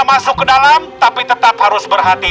masuk ke dalam tapi tetap harus berhati hati